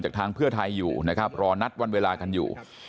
ทางเพื่อไทยอยู่นะครับรอนัดวันเวลากันอยู่